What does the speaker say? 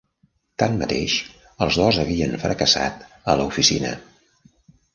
Tanmateix, els dos havien fracassat a la oficina.